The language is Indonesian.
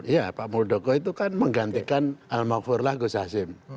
ya pak muldoko itu kan menggantikan al mahfulah gus hasim